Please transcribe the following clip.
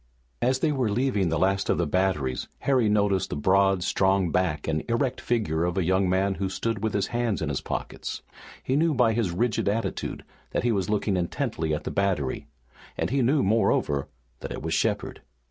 As they were leaving the last of the batteries Harry noticed the broad, strong back and erect figure of a young man who stood with his hands in his pockets. He knew by his rigid attitude that he was looking intently at the battery and he knew, moreover, that it was Shepard.